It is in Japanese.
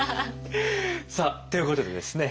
さあということでですね